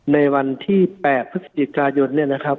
ในวันที่๘พฤศจิกายนเนี่ยนะครับ